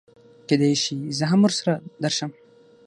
کېدی شي زه هم ورسره درشم